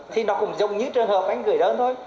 thì nó cũng giống như trường hợp anh gửi đơn thôi